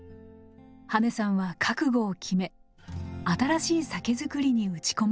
羽根さんは覚悟を決め新しい酒造りに打ち込むことに。